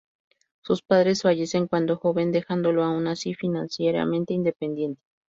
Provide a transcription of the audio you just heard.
Sus padres fallecen cuándo joven, dejándolo, aun así, financieramente independiente.